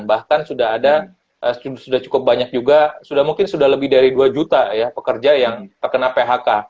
bahkan sudah ada sudah cukup banyak juga sudah mungkin sudah lebih dari dua juta ya pekerja yang terkena phk